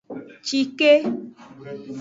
Cike.